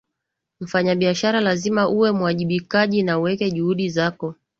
mfanyabiashara lazima uwe muajibikaji na uweke juhudi zako